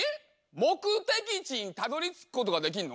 目的地にたどり着くことができんの？